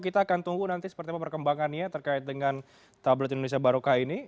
kita akan tunggu nanti seperti apa perkembangannya terkait dengan tablet indonesia barokah ini